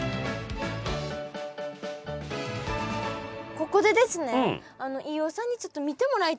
ここでですね飯尾さんにちょっと見てもらいたい写真があるんですよ。